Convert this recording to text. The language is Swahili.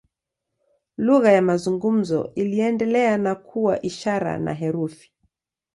Lugha ya mazungumzo iliendelea na kuwa ishara na herufi.